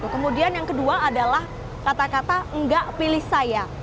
kemudian yang kedua adalah kata kata enggak pilih saya